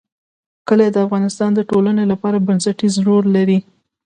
کلي د افغانستان د ټولنې لپاره بنسټيز رول لري.